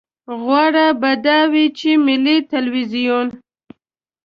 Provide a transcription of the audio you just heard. غوره به دا وي چې ملي ټلویزیون.